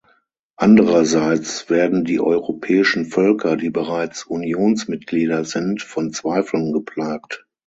Andererseits werden die europäischen Völker, die bereits Unionsmitglieder sind, von Zweifeln geplagt.